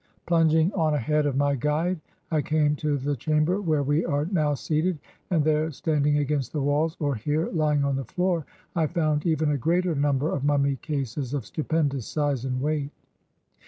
Plunging on ahead of my guide, I came to the chamber where we are now seated, and there, standing against the walls, or here, lying on the floor, I found even a greater number of mummy cases of stupendous size and weight.